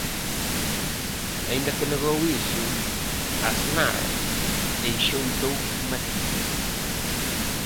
Aínda que negou iso, Aznar deixou dous matices.